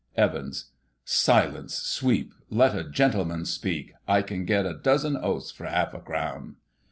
Evans : Silence, sweep, let a gentleman speak. I can get a dozen oaths for half a crown.